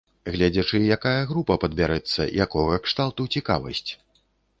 Гледзячы, якая група падбярэцца, якога кшталту цікавасць.